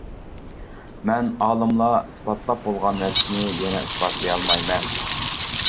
مەن ئالىملار ئىسپاتلاپ بولغان نەرسىنى يەنە ئىسپاتلىيالمايمەن.